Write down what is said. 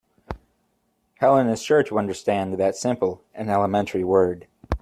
Helene is sure to understand that simple and elementary word.